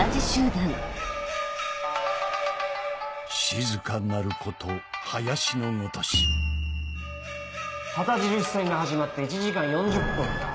静かなること林の如し旗印戦が始まって１時間４０分か。